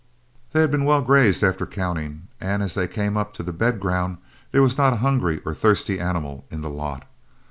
They had been well grazed after counting, and as they came up to the bed ground there was not a hungry or thirsty animal in the lot.